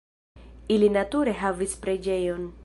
Ili nature havis preĝejon.